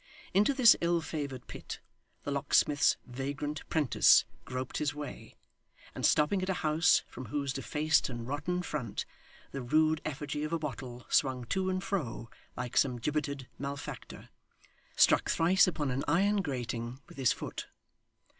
Into this ill favoured pit, the locksmith's vagrant 'prentice groped his way; and stopping at a house from whose defaced and rotten front the rude effigy of a bottle swung to and fro like some gibbeted malefactor, struck thrice upon an iron grating with his foot.